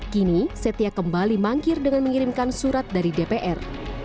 kini setia kembali mangkir dengan mengirimkan surat dari dpr